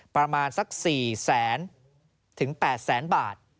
ประมาณสัก๔๐๐๐๐๐ถึง๘๐๐๐๐๐บาท